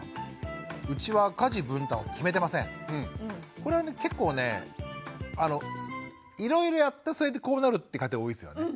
これは結構ねいろいろやってそれでこうなるって家庭多いですよね。